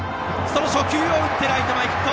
初球を打ってライト前ヒット！